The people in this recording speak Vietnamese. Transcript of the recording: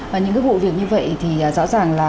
và những cái vụ việc như vậy thì rõ ràng là